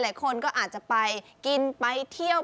หลายคนก็อาจจะไปกินไปเที่ยว